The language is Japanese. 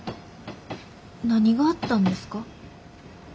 何があったんですか？